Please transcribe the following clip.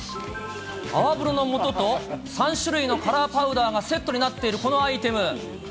あわぶろのもとと、３種類のカラーパウダーがセットになっているこのアイテム。